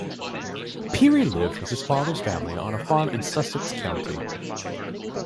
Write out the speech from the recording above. Peery lived with his father's family on a farm in Sussex County.